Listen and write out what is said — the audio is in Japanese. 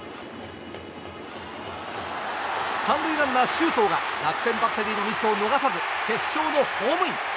３塁ランナー、周東が楽天バッテリーのミスを逃さず決勝のホームイン！